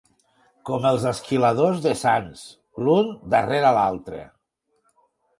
Com els esquiladors de Sants: l'un darrere l'altre.